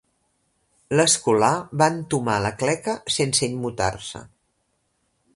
L'escolà va entomar la cleca sense immutar-se.